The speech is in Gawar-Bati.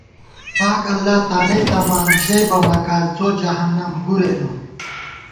پاک اللہ تانئ تمان ژئیبہ مکال څو جہنّم بُرے نُن